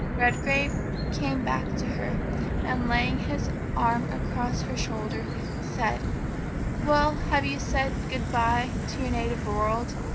Redgrave came back to her, and laying his arm across her shoulder, said: "Well, have you said goodbye to your native world?